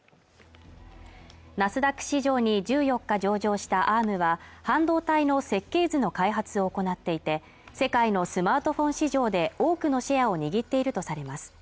ナスダック市場に１４日上場したアームは半導体の設計図の開発を行っていて世界のスマートフォン市場で多くのシェアを握っているとされます